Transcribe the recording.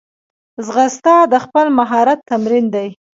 ځغاسته د خپل مهارت تمرین دی